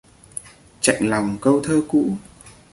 Chạnh lòng câu thơ cũ